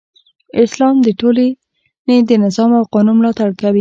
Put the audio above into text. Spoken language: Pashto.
اسلام د ټولنې د نظم او قانون ملاتړ کوي.